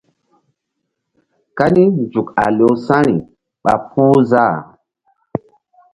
Kani nzuk a lewsa̧ri ɓa puh záh.